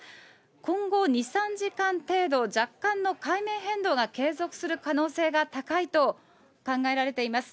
今後２、３時間程度、若干の海面変動が継続する可能性が高いと考えられています。